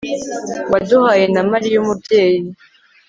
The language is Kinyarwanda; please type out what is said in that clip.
waduhaye na mariya, umubyeyi